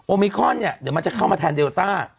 โอมิคอนเดี๋ยวมันจะเข้ามาแทนเดลต้า